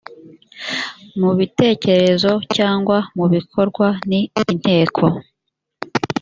mu bitekerezo cyangwa mu bikorwa ni inteko